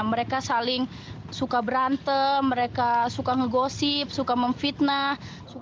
mereka saling suka berantem mereka suka ngegosip suka memfitnah